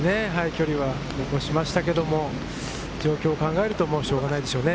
距離は残しましたけど、状況を考えるとしょうがないでしょうね。